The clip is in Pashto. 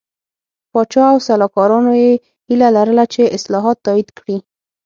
پاچا او سلاکارانو یې هیله لرله چې اصلاحات تایید کړي.